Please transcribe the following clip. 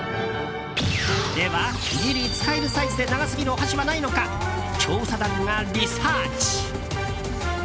では、ギリ使えるサイズで長すぎるお箸はないのか調査団がリサーチ。